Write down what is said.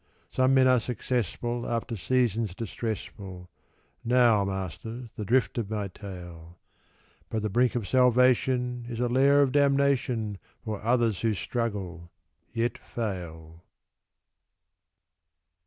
Some men are successful after seasons distressful [Now, masters, the drift of my tale]; But the brink of salvation is a lair of damnation For others who struggle, yet fail.